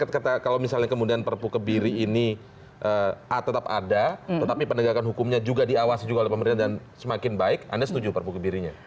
ketika kalau misalnya kemudian perpuk kebiri ini tetap ada tetapi penegakan hukumnya juga diawas juga oleh pemerintah dan semakin baik anda setuju perpuk kebirinya